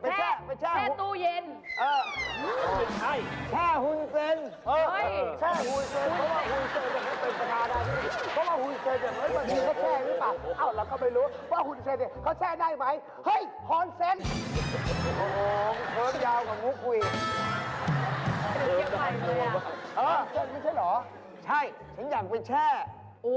ไปแช่หุ้น